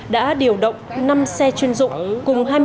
đã điều động năm xe chuyên dụng cùng